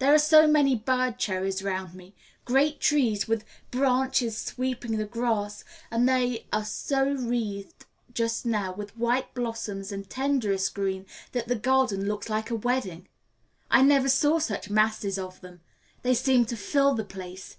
There are so many bird cherries round me, great trees with branches sweeping the grass, and they are so wreathed just now with white blossoms and tenderest green that the garden looks like a wedding. I never saw such masses of them; they seemed to fill the place.